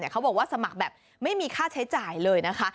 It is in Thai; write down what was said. เขาบอกว่าสมัครแบบไม่มีค่าใช้จ่ายเลยนะคะ